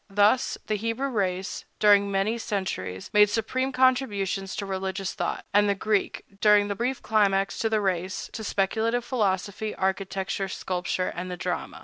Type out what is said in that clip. Thus, the Hebrew race, during many centuries, made supreme contributions to religious thought; and the Greek, during the brief climax of the race, to speculative philosophy, architecture, sculpture, and the drama.